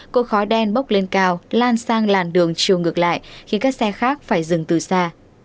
cột khói đen bốc lên cao lan sang làn đường chiều ngược lại khi các xe khác phải dừng từ xa